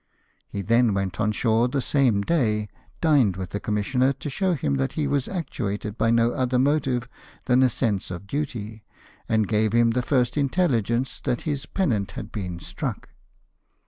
He then went on shore the same day, dined with the commissioner, to show him that he was actuated by no other motive than a sense of duty, and gave him the first intelligence that his J) 34 LIFE OF NELSON. pennant had been struck.